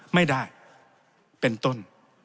ไม่ได้เป็นต้น